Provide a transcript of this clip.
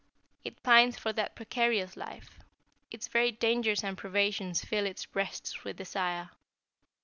It pines for that precarious life; its very dangers and privations fill its breast with desire.